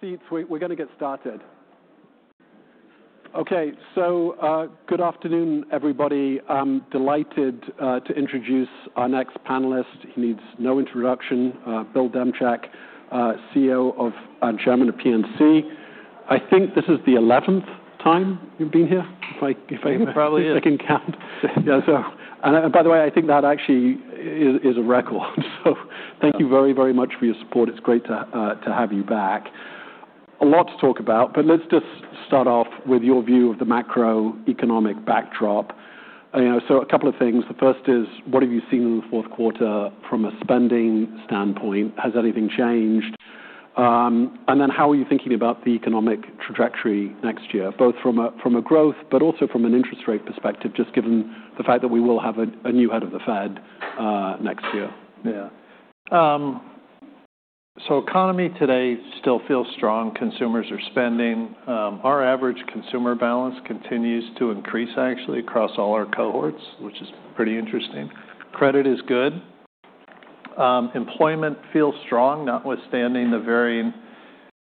Seats, we're going to get started. Okay, so good afternoon, everybody. I'm delighted to introduce our next panelist. He needs no introduction: Bill Demchak, CEO and Chairman of PNC. I think this is the 11th time you've been here, if I can count? You probably. Yeah, so. And by the way, I think that actually is a record. So thank you very, very much for your support. It's great to have you back. A lot to talk about, but let's just start off with your view of the macroeconomic backdrop. So a couple of things. The first is, what have you seen in the fourth quarter from a spending standpoint? Has anything changed? And then how are you thinking about the economic trajectory next year, both from a growth but also from an interest rate perspective, just given the fact that we will have a new head of the Fed next year? Yeah. So, economy today still feels strong. Consumers are spending. Our average consumer balance continues to increase, actually, across all our cohorts, which is pretty interesting. Credit is good. Employment feels strong, notwithstanding the varying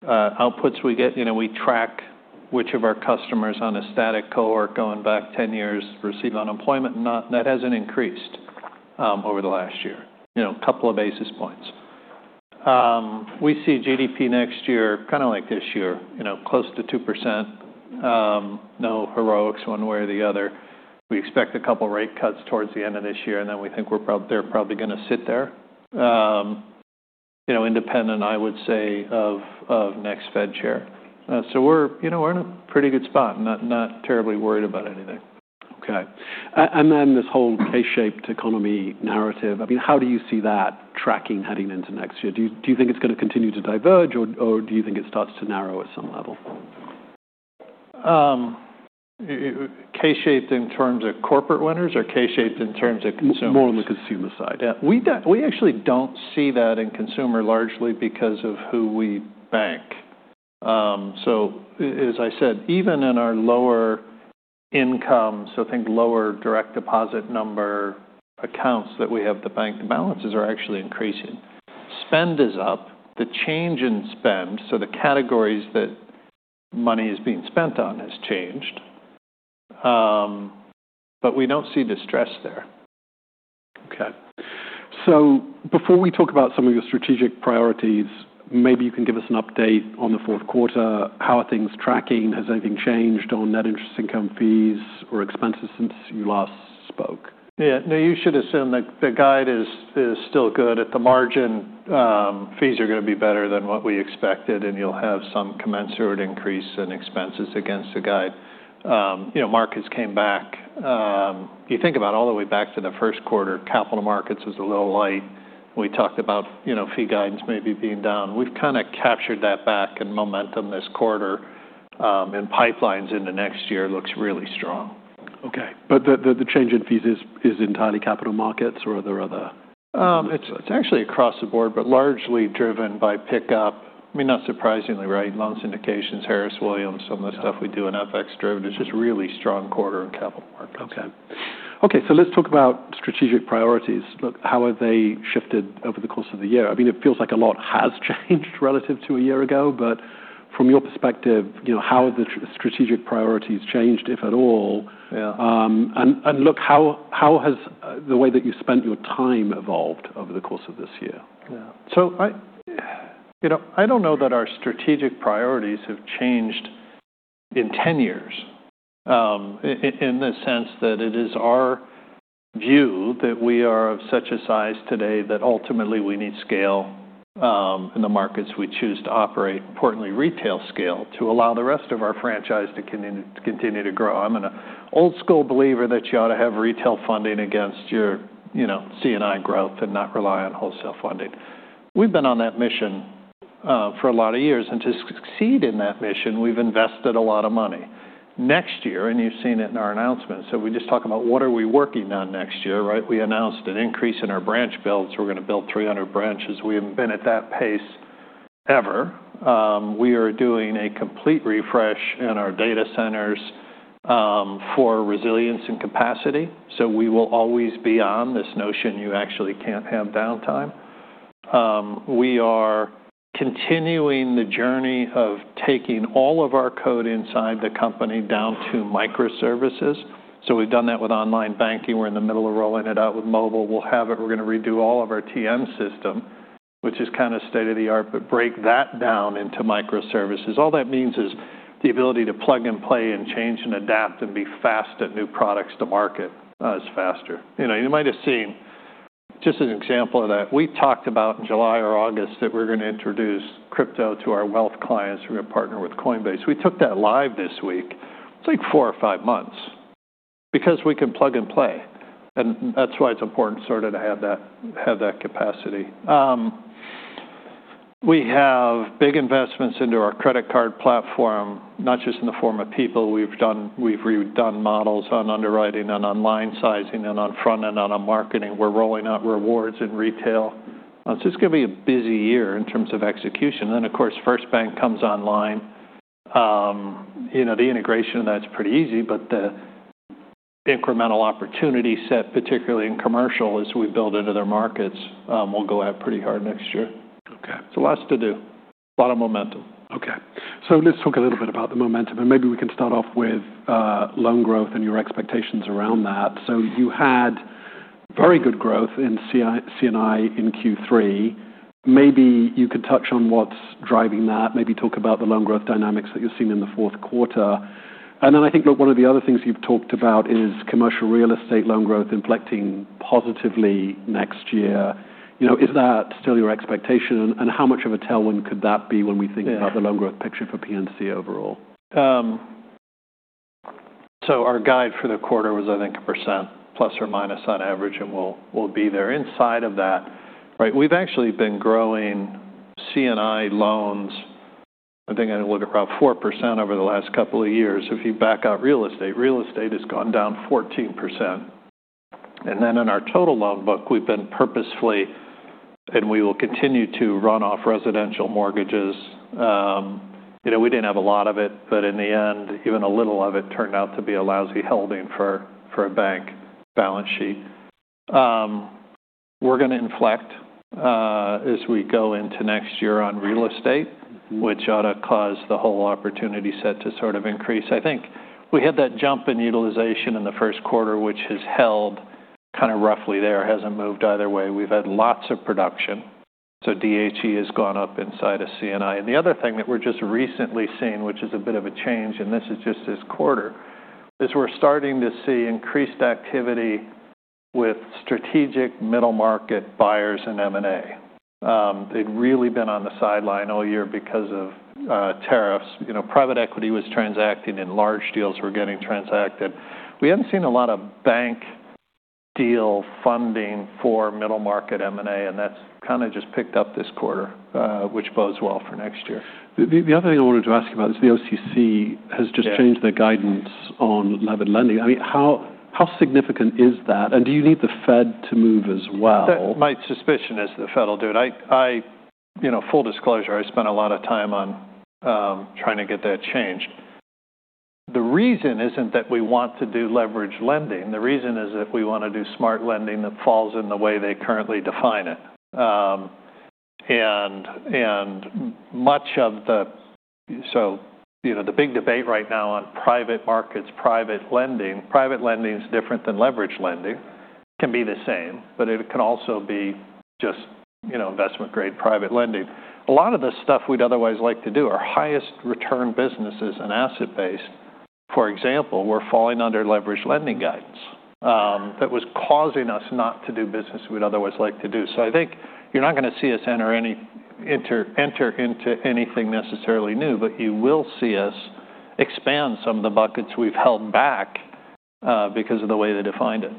outputs we get. We track which of our customers on a static cohort going back 10 years receive unemployment, and that hasn't increased over the last year, a couple of basis points. We see GDP next year kind of like this year, close to 2%. No heroics one way or the other. We expect a couple of rate cuts towards the end of this year, and then we think they're probably going to sit there, independent, I would say, of next Fed chair. So, we're in a pretty good spot, not terribly worried about anything. Okay, and then this whole K-shaped economy narrative, I mean, how do you see that tracking heading into next year? Do you think it's going to continue to diverge, or do you think it starts to narrow at some level? K-shaped in terms of corporate winners or K-shaped in terms of consumers? More on the consumer side. Yeah. We actually don't see that in consumer largely because of who we bank. So as I said, even in our lower income, so think lower direct deposit number accounts that we have the bank balances are actually increasing. Spend is up. The change in spend, so the categories that money is being spent on, has changed, but we don't see distress there. Okay, so before we talk about some of your strategic priorities, maybe you can give us an update on the fourth quarter. How are things tracking? Has anything changed on net interest income fees or expenses since you last spoke? Yeah. No, you should assume that the guide is still good. At the margin, fees are going to be better than what we expected, and you'll have some commensurate increase in expenses against the guide. Markets came back. You think about all the way back to the first quarter, capital markets was a little light. We talked about fee guidance maybe being down. We've kind of captured that back in momentum this quarter, and pipelines into next year looks really strong. Okay. But the change in fees is entirely capital markets, or are there other? It's actually across the board, but largely driven by pickup. I mean, not surprisingly, right? Loan syndications, Harris Williams, some of the stuff we do in FX-driven, it's just really strong quarter in capital markets. Okay. So let's talk about strategic priorities. Look, how have they shifted over the course of the year? I mean, it feels like a lot has changed relative to a year ago, but from your perspective, how have the strategic priorities changed, if at all? And look, how has the way that you spent your time evolved over the course of this year? Yeah, so I don't know that our strategic priorities have changed in 10 years in the sense that it is our view that we are of such a size today that ultimately we need scale in the markets we choose to operate, importantly, retail scale to allow the rest of our franchise to continue to grow. I'm an old-school believer that you ought to have retail funding against your C&I growth and not rely on wholesale funding. We've been on that mission for a lot of years, and to succeed in that mission, we've invested a lot of money. Next year, and you've seen it in our announcements, so we just talk about what are we working on next year, right? We announced an increase in our branch builds. We're going to build 300 branches. We haven't been at that pace ever. We are doing a complete refresh in our data centers for resilience and capacity. So we will always be on this notion you actually can't have downtime. We are continuing the journey of taking all of our code inside the company down to microservices. So we've done that with online banking. We're in the middle of rolling it out with mobile. We'll have it. We're going to redo all of our TM system, which is kind of state of the art, but break that down into microservices. All that means is the ability to plug and play and change and adapt and be fast at new products to market as faster. You might have seen just an example of that. We talked about in July or August that we're going to introduce crypto to our wealth clients through a partner with Coinbase. We took that live this week. It's like four or five months because we can plug and play, and that's why it's important sort of to have that capacity. We have big investments into our credit card platform, not just in the form of people. We've redone models on underwriting and on line sizing and on front end and on marketing. We're rolling out rewards in retail. It's just going to be a busy year in terms of execution. Then, of course, First Bank comes online. The integration of that's pretty easy, but the incremental opportunity set, particularly in commercial, as we build into their markets, will go out pretty hard next year, so lots to do, a lot of momentum. Okay. So let's talk a little bit about the momentum, and maybe we can start off with loan growth and your expectations around that. So you had very good growth in C&I in Q3. Maybe you could touch on what's driving that, maybe talk about the loan growth dynamics that you've seen in the fourth quarter. And then I think, look, one of the other things you've talked about is commercial real estate loan growth inflecting positively next year. Is that still your expectation, and how much of a tailwind could that be when we think about the loan growth picture for PNC overall? So our guide for the quarter was, I think, 1%± on average, and we'll be there. Inside of that, right, we've actually been growing C&I loans. I think I looked at about 4% over the last couple of years. If you back out real estate, real estate has gone down 14%. And then in our total loan book, we've been purposefully, and we will continue to run off residential mortgages. We didn't have a lot of it, but in the end, even a little of it turned out to be a lousy holding for a bank balance sheet. We're going to inflect as we go into next year on real estate, which ought to cause the whole opportunity set to sort of increase. I think we had that jump in utilization in the first quarter, which has held kind of roughly there, hasn't moved either way. We've had lots of production, so DHE has gone up inside of C&I, and the other thing that we're just recently seeing, which is a bit of a change, and this is just this quarter, is we're starting to see increased activity with strategic middle market buyers and M&A. They've really been on the sidelines all year because of tariffs. Private equity was transacting in large deals. We're getting traction. We haven't seen a lot of bank deal funding for middle market M&A, and that's kind of just picked up this quarter, which bodes well for next year. The other thing I wanted to ask about is the OCC has just changed their guidance on leveraged lending. I mean, how significant is that?, and do you need the Fed to move as well? My suspicion is the Fed will do it. Full disclosure, I spent a lot of time on trying to get that changed. The reason isn't that we want to do leverage lending. The reason is that we want to do smart lending that falls in the way they currently define it, and much of the big debate right now on private markets, private lending, private lending is different than leverage lending. It can be the same, but it can also be just investment-grade private lending. A lot of the stuff we'd otherwise like to do, our highest return businesses and asset-based, for example, were falling under leverage lending guidance. That was causing us not to do business we'd otherwise like to do. So I think you're not going to see us enter into anything necessarily new, but you will see us expand some of the buckets we've held back because of the way they defined it,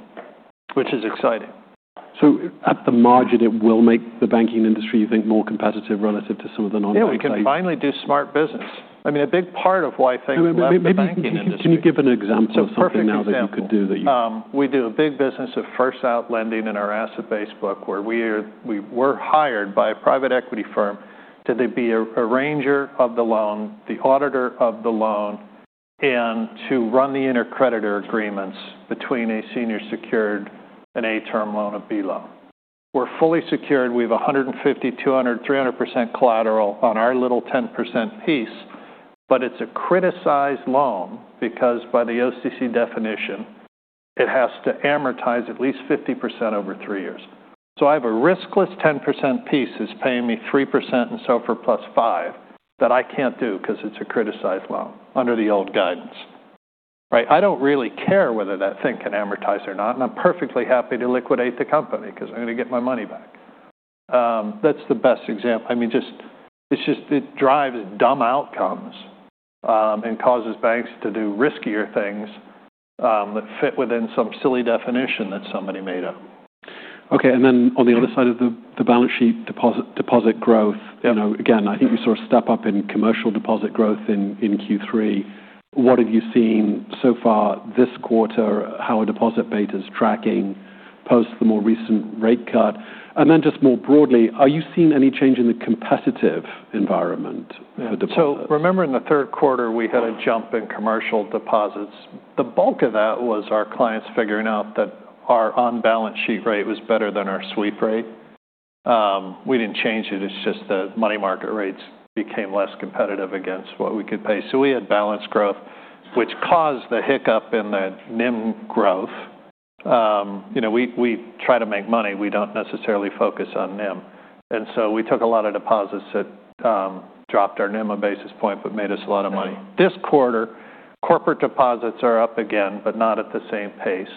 which is exciting. So at the margin, it will make the banking industry, you think, more competitive relative to some of the non-financial? Yeah, we can finally do smart business. I mean, a big part of why I think we're in the banking industry. Can you give an example of something now that you could do that you? We do a big business of first-out lending in our asset-based book where we were hired by a private equity firm to be a ranger of the loan, the auditor of the loan, and to run the intercreditor agreements between a senior-secured and a term loan, a B loan. We're fully secured. We have 150%, 200%, 300% collateral on our little 10% piece, but it's a criticized loan because by the OCC definition, it has to amortize at least 50% over three years. So I have a riskless 10% piece that's paying me 3% and SOFR +5 that I can't do because it's a criticized loan under the old guidance. Right? I don't really care whether that thing can amortize or not, and I'm perfectly happy to liquidate the company because I'm going to get my money back. That's the best example. I mean, it's just it drives dumb outcomes and causes banks to do riskier things that fit within some silly definition that somebody made up. Okay. And then, on the other side of the balance sheet, deposit growth. Again, I think you sort of step up in commercial deposit growth in Q3. What have you seen so far this quarter? How is a deposit beta tracking post the more recent rate cut? And then, just more broadly, are you seeing any change in the competitive environment for deposits? So remember in the third quarter, we had a jump in commercial deposits. The bulk of that was our clients figuring out that our on-balance sheet rate was better than our sweep rate. We didn't change it. It's just that money market rates became less competitive against what we could pay. So we had balance growth, which caused the hiccup in the NIM growth. We try to make money. We don't necessarily focus on NIM. And so we took a lot of deposits that dropped our NIM a basis point but made us a lot of money. This quarter, corporate deposits are up again, but not at the same pace.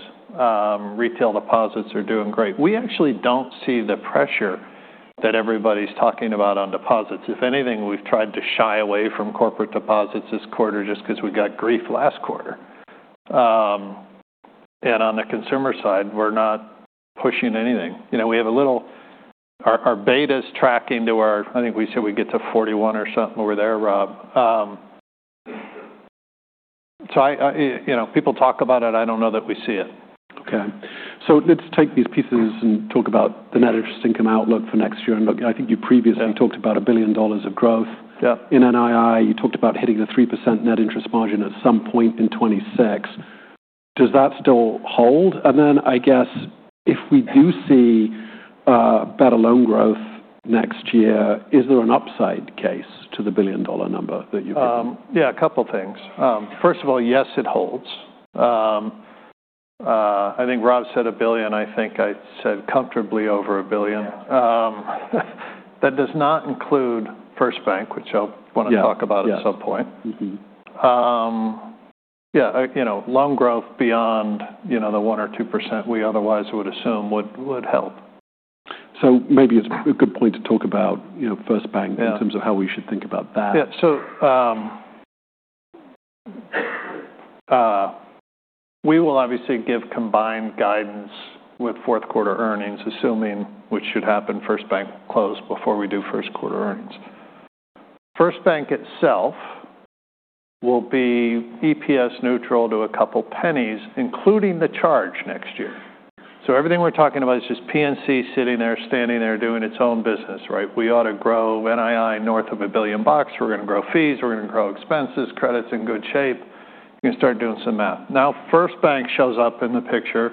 Retail deposits are doing great. We actually don't see the pressure that everybody's talking about on deposits. If anything, we've tried to shy away from corporate deposits this quarter just because we got grief last quarter. And on the consumer side, we're not pushing anything. We have a little. Our beta's tracking to our. I think we said we get to 41 or something over there, Rob. So people talk about it. I don't know that we see it. Okay. So let's take these pieces and talk about the net interest income outlook for next year. And I think you previously talked about $1 billion of growth in NII. You talked about hitting the 3% net interest margin at some point in 2026. Does that still hold? And then I guess if we do see better loan growth next year, is there an upside case to the $1 billion number that you've been talking about? Yeah, a couple of things. First of all, yes, it holds. I think Rob said $1 billion. I think I said comfortably over $1 billion. That does not include First Bank, which I'll want to talk about at some point. Yeah. Loan growth beyond the 1% or 2% we otherwise would assume would help. So maybe it's a good point to talk about First Bank in terms of how we should think about that. Yeah. So we will obviously give combined guidance with fourth quarter earnings, assuming which should happen First Bank close before we do first quarter earnings. First Bank itself will be EPS neutral to a couple pennies, including the charge next year. So everything we're talking about is just PNC sitting there, standing there, doing its own business, right? We ought to grow NII north of $1 billion. We're going to grow fees. We're going to grow expenses, credits in good shape. You're going to start doing some math. Now, First Bank shows up in the picture.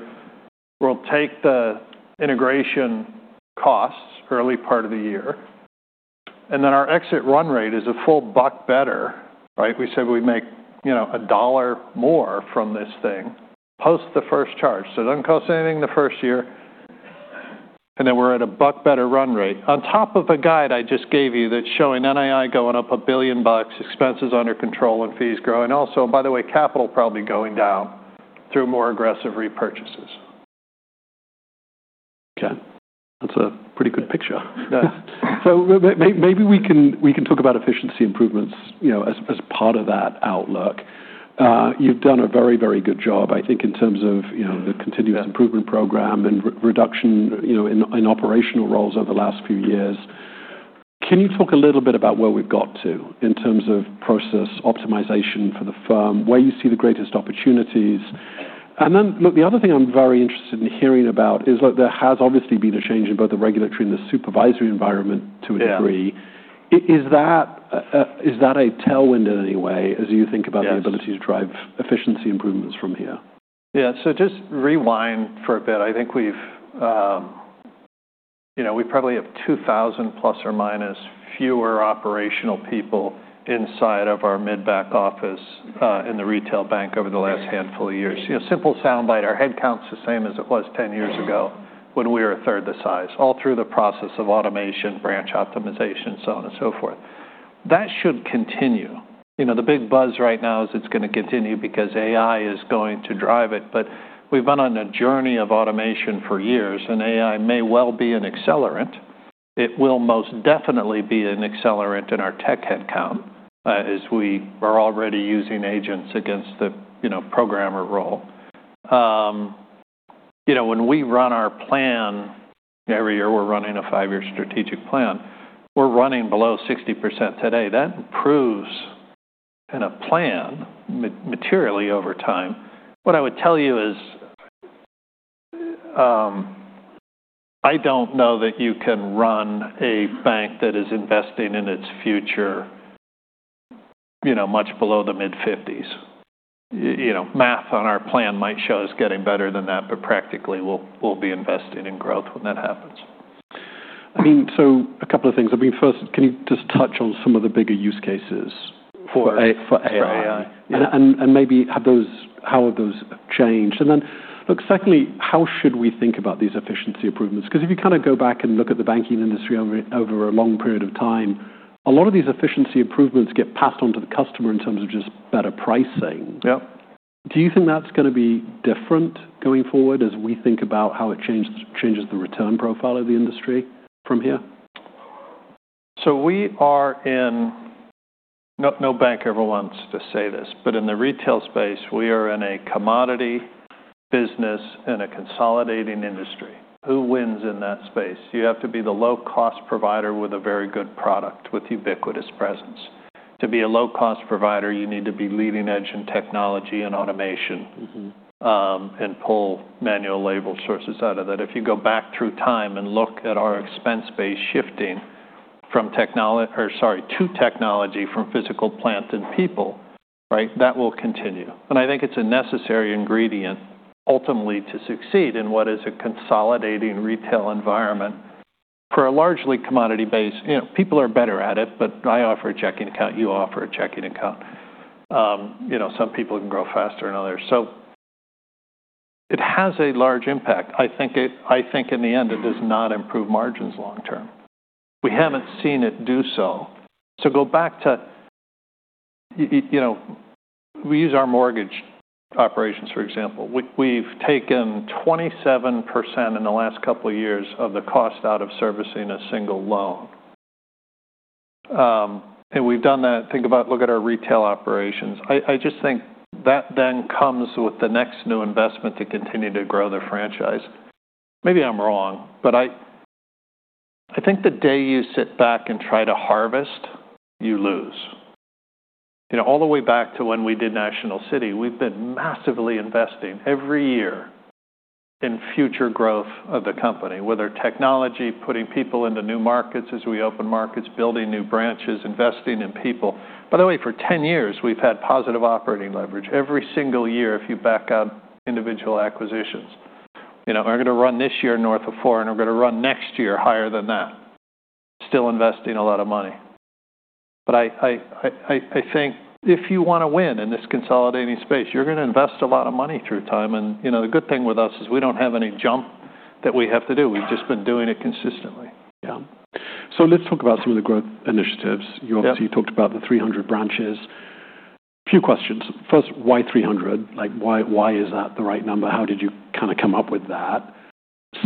We'll take the integration costs early part of the year. And then our exit run rate is a full $1 better, right? We said we make $1 more from this thing post the first charge. So it doesn't cost anything the first year. And then we're at a $1 better run rate. On top of a guide I just gave you that's showing NII going up $1 billion, expenses under control and fees growing. Also, by the way, capital probably going down through more aggressive repurchases. Okay. That's a pretty good picture. So maybe we can talk about efficiency improvements as part of that outlook. You've done a very, very good job, I think, in terms of the continuous improvement program and reduction in operational roles over the last few years. Can you talk a little bit about where we've got to in terms of process optimization for the firm, where you see the greatest opportunities? And then, look, the other thing I'm very interested in hearing about is that there has obviously been a change in both the regulatory and the supervisory environment to a degree. Is that a tailwind in any way as you think about the ability to drive efficiency improvements from here? Yeah. So just rewind for a bit. I think we probably have 2,000± fewer operational people inside of our mid-back office in the retail bank over the last handful of years. Simple soundbite. Our headcount's the same as it was 10 years ago when we were a third the size, all through the process of automation, branch optimization, so on and so forth. That should continue. The big buzz right now is it's going to continue because AI is going to drive it. But we've been on a journey of automation for years, and AI may well be an accelerant. It will most definitely be an accelerant in our tech headcount as we are already using agents against the programmer role. When we run our plan every year, we're running a five-year strategic plan. We're running below 60% today. That improves in a plan materially over time. What I would tell you is I don't know that you can run a bank that is investing in its future much below the mid-50s. Math on our plan might show it's getting better than that, but practically, we'll be investing in growth when that happens. I mean, so a couple of things. I mean, first, can you just touch on some of the bigger use cases for AI? For AI, yeah. And maybe how have those changed? And then, look, secondly, how should we think about these efficiency improvements? Because if you kind of go back and look at the banking industry over a long period of time, a lot of these efficiency improvements get passed on to the customer in terms of just better pricing. Do you think that's going to be different going forward as we think about how it changes the return profile of the industry from here? So, we are in. No bank ever wants to say this, but in the retail space, we are in a commodity business in a consolidating industry. Who wins in that space? You have to be the low-cost provider with a very good product, with ubiquitous presence. To be a low-cost provider, you need to be leading edge in technology and automation and pull manual labor sources out of that. If you go back through time and look at our expense base shifting from technology or, sorry, to technology from physical plant and people, right, that will continue, and I think it's a necessary ingredient ultimately to succeed in what is a consolidating retail environment for a largely commodity-based. People are better at it, but I offer a checking account. You offer a checking account. Some people can grow faster than others, so it has a large impact. I think in the end, it does not improve margins long term. We haven't seen it do so. So go back to we use our mortgage operations, for example. We've taken 27% in the last couple of years of the cost out of servicing a single loan, and we've done that. Think about, look at our retail operations. I just think that then comes with the next new investment to continue to grow the franchise. Maybe I'm wrong, but I think the day you sit back and try to harvest, you lose. All the way back to when we did National City, we've been massively investing every year in future growth of the company, whether technology, putting people into new markets as we open markets, building new branches, investing in people. By the way, for 10 years, we've had positive operating leverage. Every single year, if you back out individual acquisitions, we're going to run this year north of four, and we're going to run next year higher than that, still investing a lot of money. But I think if you want to win in this consolidating space, you're going to invest a lot of money through time, and the good thing with us is we don't have any jump that we have to do. We've just been doing it consistently. Yeah. So let's talk about some of the growth initiatives. You obviously talked about the 300 branches. Few questions. First, why 300? Why is that the right number? How did you kind of come up with that?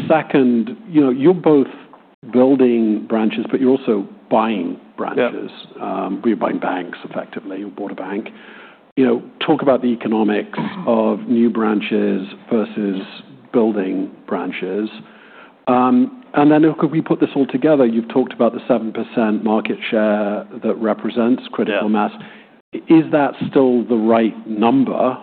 Second, you're both building branches, but you're also buying branches. You're buying banks, effectively. You bought a bank. Talk about the economics of new branches versus building branches. And then, look, if we put this all together, you've talked about the 7% market share that represents critical mass. Is that still the right number?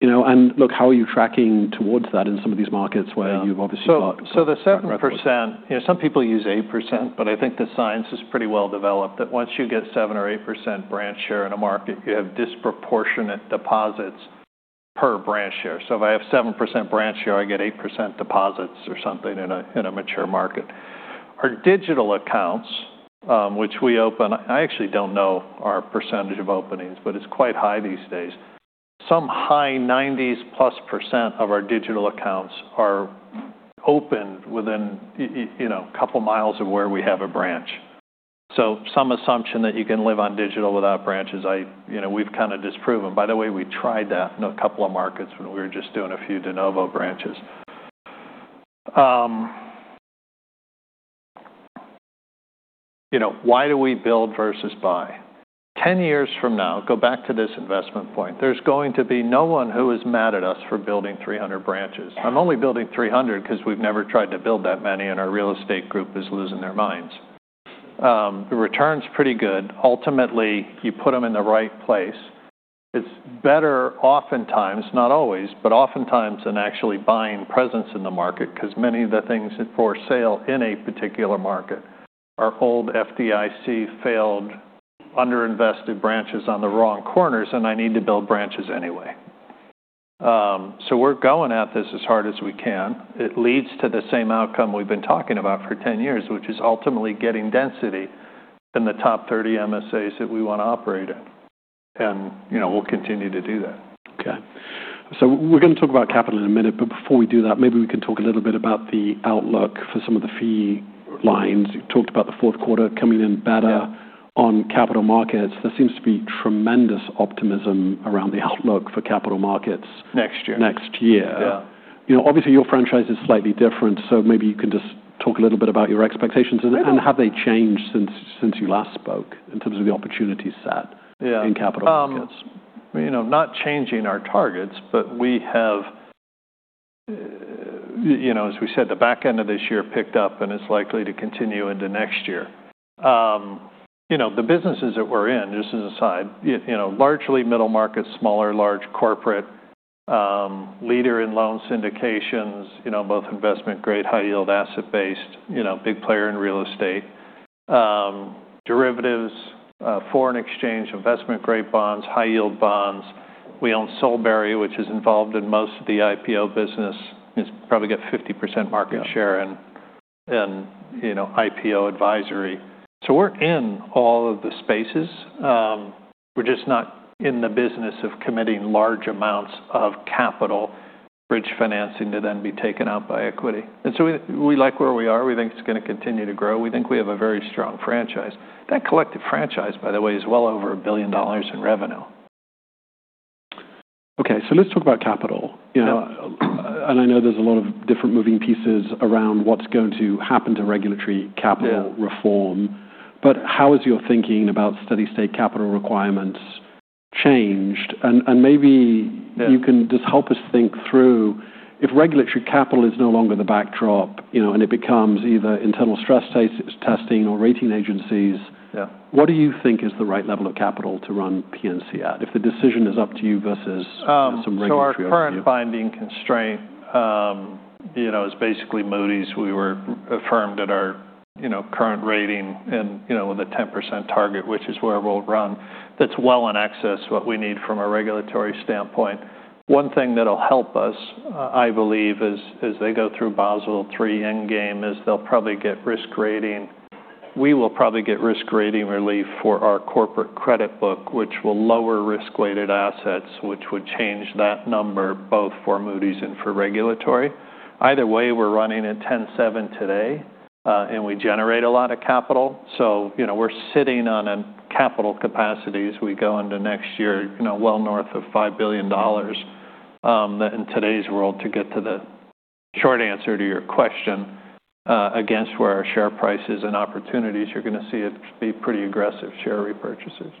And look, how are you tracking towards that in some of these markets where you've obviously got? So the 7%, some people use 8%, but I think the science is pretty well developed that once you get 7% or 8% branch share in a market, you have disproportionate deposits per branch share. So if I have 7% branch share, I get 8% deposits or something in a mature market. Our digital accounts, which we open I actually don't know our percentage of openings, but it's quite high these days. Some high 90s+ percent of our digital accounts are open within a couple miles of where we have a branch. So some assumption that you can live on digital without branches, we've kind of disproven. By the way, we tried that in a couple of markets when we were just doing a few de novo branches. Why do we build versus buy? 10 years from now, go back to this investment point. There's going to be no one who is mad at us for building 300 branches. I'm only building 300 because we've never tried to build that many, and our real estate group is losing their minds. The return's pretty good. Ultimately, you put them in the right place. It's better oftentimes, not always, but oftentimes than actually buying presence in the market because many of the things for sale in a particular market are old FDIC failed, underinvested branches on the wrong corners, and I need to build branches anyway. So we're going at this as hard as we can. It leads to the same outcome we've been talking about for 10 years, which is ultimately getting density in the top 30 MSAs that we want to operate in. And we'll continue to do that. Okay. So we're going to talk about capital in a minute, but before we do that, maybe we can talk a little bit about the outlook for some of the fee lines. You talked about the fourth quarter coming in better on capital markets. There seems to be tremendous optimism around the outlook for capital markets. Next year. Next year. Obviously, your franchise is slightly different, so maybe you can just talk a little bit about your expectations and how they changed since you last spoke in terms of the opportunity set in capital markets. Not changing our targets, but we have, as we said, the back end of this year picked up, and it's likely to continue into next year. The businesses that we're in, just as an aside, largely middle markets, smaller, large corporate, leader in loan syndications, both investment grade, high-yield asset-based, big player in real estate, derivatives, foreign exchange, investment grade bonds, high-yield bonds. We own Solebury, which is involved in most of the IPO business. It's probably got 50% market share in IPO advisory. So we're in all of the spaces. We're just not in the business of committing large amounts of capital bridge financing to then be taken out by equity. And so we like where we are. We think it's going to continue to grow. We think we have a very strong franchise. That collective franchise, by the way, is well over $1 billion in revenue. Okay, so let's talk about capital, and I know there's a lot of different moving pieces around what's going to happen to regulatory capital reform, but how has your thinking about steady-state capital requirements changed, and maybe you can just help us think through if regulatory capital is no longer the backdrop and it becomes either internal stress testing or rating agencies. What do you think is the right level of capital to run PNC at if the decision is up to you versus some regulatory authority? So our current binding constraint is basically Moody's. We were affirmed at our current rating and with a 10% target, which is where we'll run. That's well in excess of what we need from a regulatory standpoint. One thing that'll help us, I believe, as they go through Basel III Endgame is they'll probably get risk rating. We will probably get risk rating relief for our corporate credit book, which will lower risk-weighted assets, which would change that number both for Moody's and for regulatory. Either way, we're running at 10.7 today, and we generate a lot of capital. So we're sitting on a capital capacity as we go into next year well north of $5 billion in today's world to get to the short answer to your question. Against where our share prices and opportunities, you're going to see it be pretty aggressive share repurchases.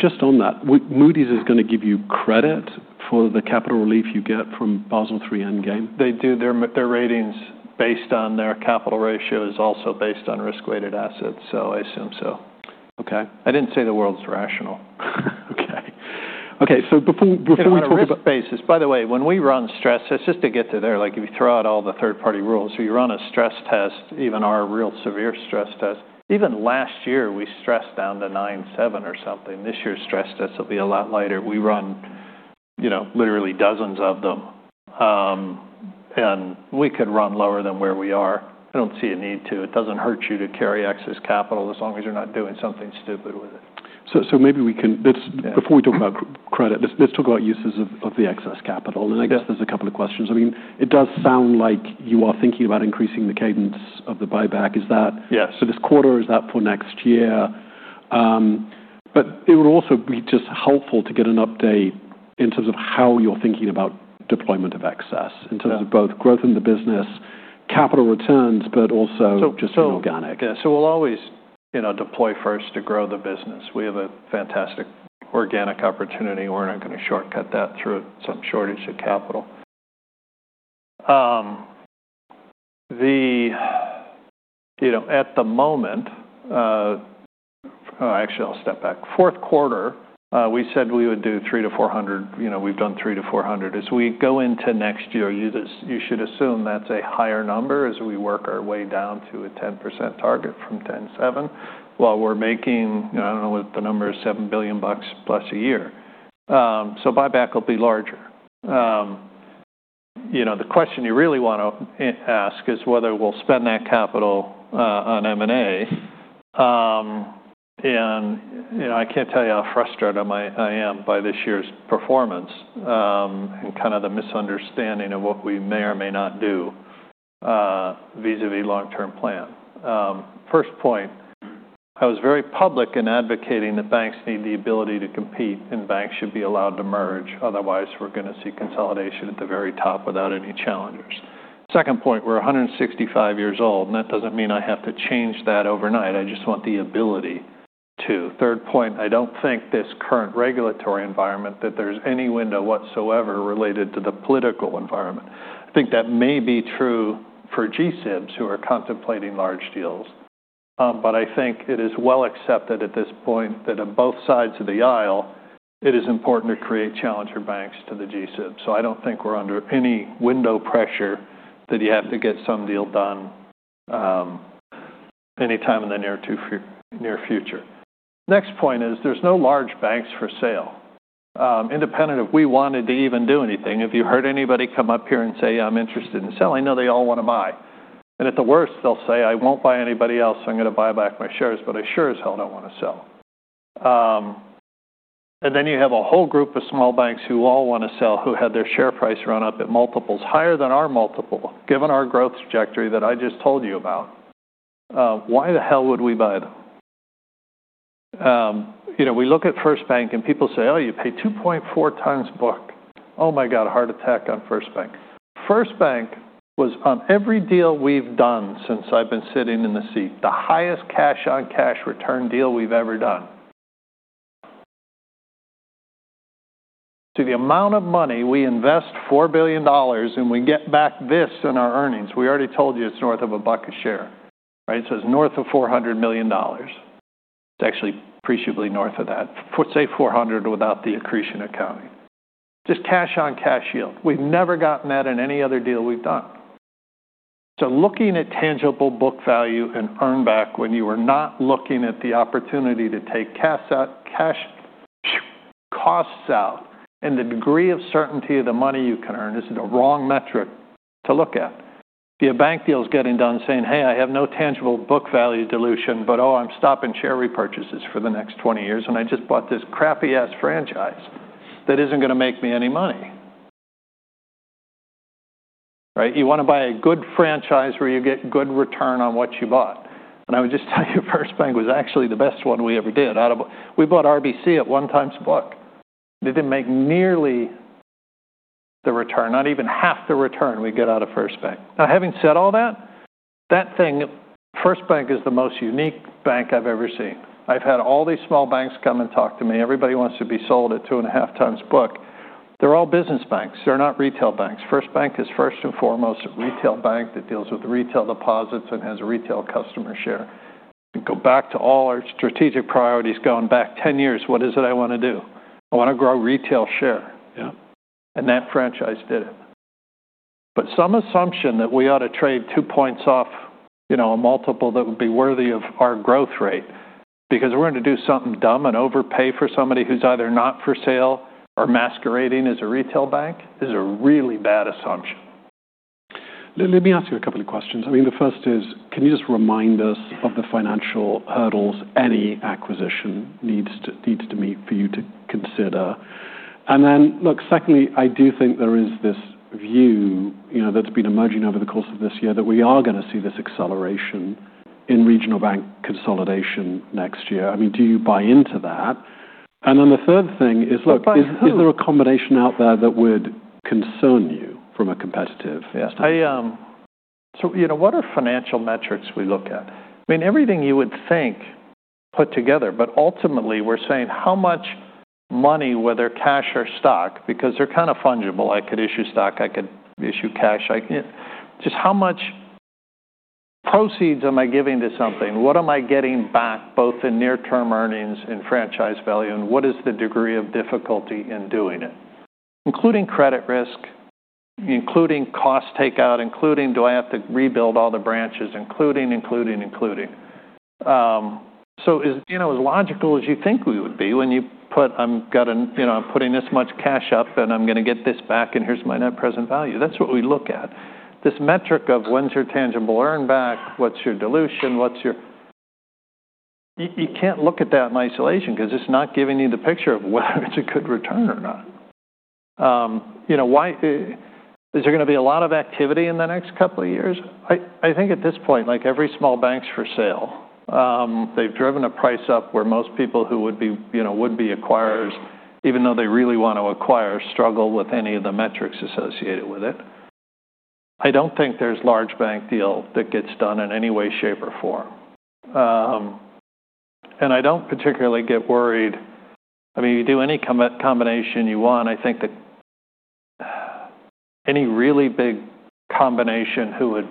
Just on that, Moody's is going to give you credit for the capital relief you get from Basel III Endgame? They do. Their ratings based on their capital ratio is also based on risk-weighted assets, so I assume so. Okay. I didn't say the world's rational. Okay. So before we talk about basis. By the way, when we run stress tests, just to get to there, if you throw out all the third-party rules, so you run a stress test, even our real severe stress test. Even last year, we stressed down to 9.7 or something. This year's stress tests will be a lot lighter. We run literally dozens of them, and we could run lower than where we are. I don't see a need to. It doesn't hurt you to carry excess capital as long as you're not doing something stupid with it. So, maybe we can, before we talk about credit, let's talk about uses of the excess capital. I guess there's a couple of questions. I mean, it does sound like you are thinking about increasing the cadence of the buyback. Is that for this quarter? Is that for next year? But it would also be just helpful to get an update in terms of how you're thinking about deployment of excess in terms of both growth in the business, capital returns, but also just in organic. So we'll always deploy first to grow the business. We have a fantastic organic opportunity. We're not going to shortcut that through some shortage of capital. At the moment actually, I'll step back. Fourth quarter, we said we would do 300 to 400. We've done 300 to 400. As we go into next year, you should assume that's a higher number as we work our way down to a 10% target from 10.7% while we're making I don't know what the number is, $7 billion+ a year. So buyback will be larger. The question you really want to ask is whether we'll spend that capital on M&A. And I can't tell you how frustrated I am by this year's performance and kind of the misunderstanding of what we may or may not do vis-à-vis long-term plan. First point, I was very public in advocating that banks need the ability to compete, and banks should be allowed to merge. Otherwise, we're going to see consolidation at the very top without any challenges. Second point, we're 165 years old, and that doesn't mean I have to change that overnight. I just want the ability to. Third point, I don't think this current regulatory environment that there's any window whatsoever related to the political environment. I think that may be true for G-SIBs who are contemplating large deals, but I think it is well accepted at this point that on both sides of the aisle, it is important to create challenger banks to the G-SIBs. So I don't think we're under any window pressure that you have to get some deal done anytime in the near future. Next point is there's no large banks for sale. Independent of we wanted to even do anything, have you heard anybody come up here and say, "I'm interested in selling"? No, they all want to buy, and at the worst, they'll say, "I won't buy anybody else, so I'm going to buy back my shares, but I sure as hell don't want to sell," and then you have a whole group of small banks who all want to sell who had their share price run up at multiples higher than our multiple, given our growth trajectory that I just told you about. Why the hell would we buy them? We look at First Bank, and people say, "Oh, you pay 2.4x book. Oh my God, heart attack on First Bank." First Bank was, on every deal we've done since I've been sitting in the seat, the highest cash-on-cash return deal we've ever done. To the amount of money we invest $4 billion and we get back this in our earnings, we already told you it's north of a buck a share. It says north of $400 million. It's actually appreciably north of that. Say 400 without the accretion accounting. Just cash-on-cash yield. We've never gotten that in any other deal we've done. So looking at tangible book value and earnback when you are not looking at the opportunity to take cash costs out and the degree of certainty of the money you can earn is the wrong metric to look at. The bank deal is getting done saying, "Hey, I have no tangible book value dilution, but oh, I'm stopping share repurchases for the next 20 years, and I just bought this crappy-ass franchise that isn't going to make me any money." You want to buy a good franchise where you get good return on what you bought. And I would just tell you First Bank was actually the best one we ever did. We bought RBC at one times a buck. They didn't make nearly the return, not even half the return we get out of First Bank. Now, having said all that, that thing, First Bank is the most unique bank I've ever seen. I've had all these small banks come and talk to me. Everybody wants to be sold at 2.5x book. They're all business banks. They're not retail banks. First Bank is first and foremost a retail bank that deals with retail deposits and has a retail customer share, and go back to all our strategic priorities going back 10 years. What is it I want to do? I want to grow retail share, and that franchise did it, but some assumption that we ought to trade two points off a multiple that would be worthy of our growth rate because we're going to do something dumb and overpay for somebody who's either not for sale or masquerading as a retail bank is a really bad assumption. Let me ask you a couple of questions. I mean, the first is, can you just remind us of the financial hurdles any acquisition needs to meet for you to consider? And then, look, secondly, I do think there is this view that's been emerging over the course of this year that we are going to see this acceleration in regional bank consolidation next year. I mean, do you buy into that? And then the third thing is, look, is there a combination out there that would concern you from a competitive standpoint? So what are financial metrics we look at? I mean, everything you would think put together, but ultimately, we're saying how much money, whether cash or stock, because they're kind of fungible. I could issue stock. I could issue cash. Just how much proceeds am I giving to something? What am I getting back both in near-term earnings and franchise value, and what is the degree of difficulty in doing it? Including credit risk, including cost takeout, including do I have to rebuild all the branches. So as logical as you think we would be when you put, "I'm putting this much cash up, and I'm going to get this back, and here's my net present value." That's what we look at. This metric of when's your tangible earnback, what's your dilution, what's your, you can't look at that in isolation because it's not giving you the picture of whether it's a good return or not. Is there going to be a lot of activity in the next couple of years? I think at this point, like every small bank’s for sale. They’ve driven a price up where most people who would be acquirers, even though they really want to acquire, struggle with any of the metrics associated with it. I don't think there's large bank deal that gets done in any way, shape, or form, and I don't particularly get worried. I mean, you do any combination you want. I think that any really big combination who would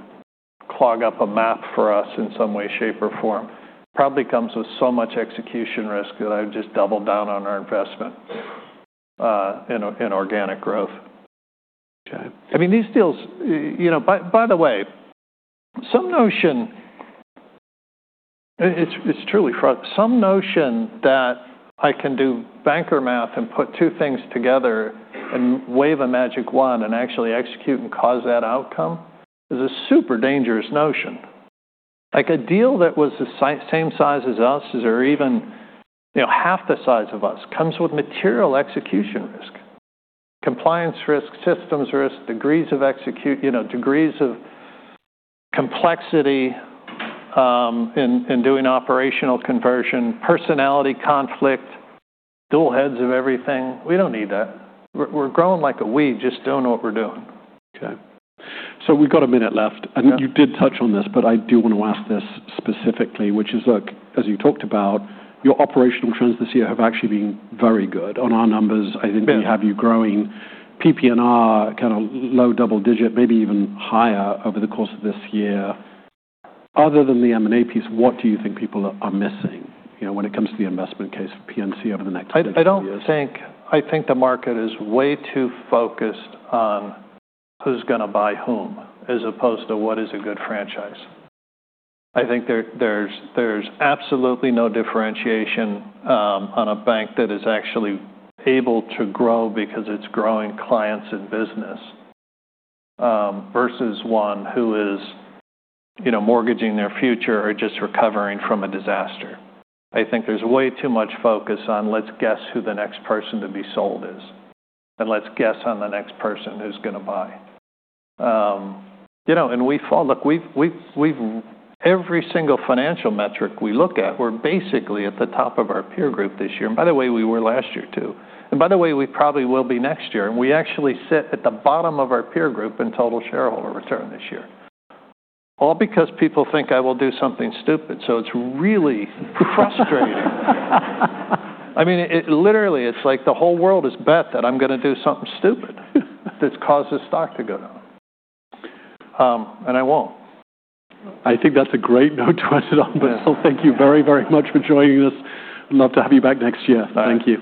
clog up a map for us in some way, shape, or form probably comes with so much execution risk that I would just double down on our investment in organic growth. Okay. I mean, these deals, by the way. Some notion it's truly fraught. Some notion that I can do banker math and put two things together and wave a magic wand and actually execute and cause that outcome is a super dangerous notion. A deal that was the same size as us or even half the size of us comes with material execution risk, compliance risk, systems risk, degrees of complexity in doing operational conversion, personality conflict, dual heads of everything. We don't need that. We're growing like a weed, just doing what we're doing. Okay. So we've got a minute left. And you did touch on this, but I do want to ask this specifically, which is, look, as you talked about, your operational trends this year have actually been very good on our numbers. I think we have you growing PP&R, kind of low double digit, maybe even higher over the course of this year. Other than the M&A piece, what do you think people are missing when it comes to the investment case for PNC over the next couple of years? I think the market is way too focused on who's going to buy whom as opposed to what is a good franchise. I think there's absolutely no differentiation on a bank that is actually able to grow because it's growing clients and business versus one who is mortgaging their future or just recovering from a disaster. I think there's way too much focus on, "Let's guess who the next person to be sold is," and, "Let's guess on the next person who's going to buy," and look, every single financial metric we look at, we're basically at the top of our peer group this year, and by the way, we were last year too, and by the way, we probably will be next year, and we actually sit at the bottom of our peer group in total shareholder return this year, all because people think I will do something stupid. So it's really frustrating. I mean, literally, it's like the whole world is betting that I'm going to do something stupid that's caused the stock to go down. And I won't. I think that's a great note to end it on. But still, thank you very, very much for joining us. We'd love to have you back next year. Thank you.